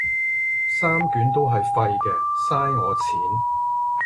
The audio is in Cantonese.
三卷都係廢嘅，嘥我錢